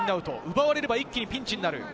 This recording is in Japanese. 奪われれば一気にピンチなる。